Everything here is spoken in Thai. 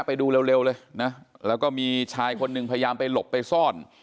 ไปดูเร็วเลยนะแล้วก็มีชายคนหนึ่งพยายามไปหลบไปซ่อน